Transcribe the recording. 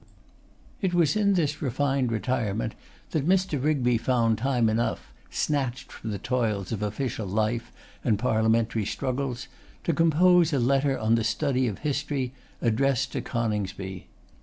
It was in this refined retirement that Mr. Rigby found time enough, snatched from the toils of official life and parliamentary struggles, to compose a letter on the study of History, addressed to Coningsby.